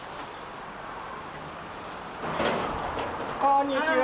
こんにちは。